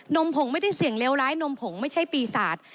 มผงไม่ได้เสี่ยงเลวร้ายนมผงไม่ใช่ปีศาจ